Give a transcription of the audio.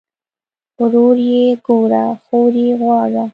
ورور ئې ګوره خور ئې غواړه